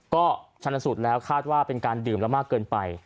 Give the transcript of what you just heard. ก็ชันสูตรแล้วคาดว่าเป็นการดื่มแล้วมากเกินไป